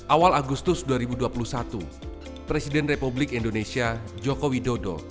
awal agustus dua ribu dua puluh satu presiden republik indonesia joko widodo